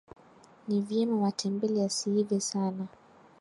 ni vyema matembele yasiive sana